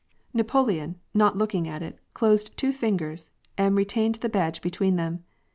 161 Napoleon, not looking at it, closed two fingers, and re tained the badge between them.